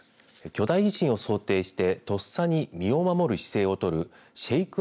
巨大地震を想定してとっさに身を守る姿勢を取るシェイク